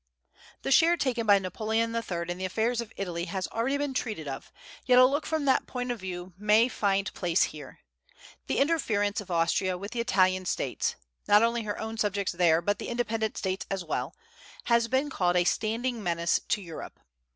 The share taken by Napoleon III. in the affairs of Italy has already been treated of, yet a look from that point of view may find place here. The interference of Austria with the Italian States not only her own subjects there, but the independent States as well has been called "a standing menace to Europe."